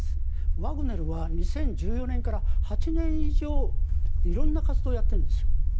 ワグネルは２０１４年から８年以上色んな活動をやっているんですよ。